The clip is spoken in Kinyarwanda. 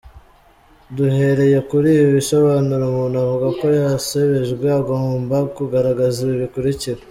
Duhereye kuri ibi bisobanuro, umuntu uvuga ko yasebejwe agomba kugaragaza ibi bikurikira :.